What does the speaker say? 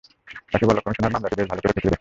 তাকে বলো, কমিশনার মামলাটি বেশ ভালোকরে খতিয়ে দেখছে।